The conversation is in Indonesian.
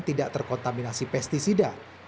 tidak terkontaminasi pesticida